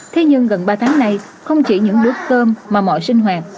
thế nhưng gần ba tháng nay không chỉ những đứa tôm mà mọi sinh hoạt